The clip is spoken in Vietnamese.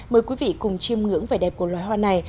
mời quý vị cùng chiêm ngưỡng vẻ đẹp của loài hoa này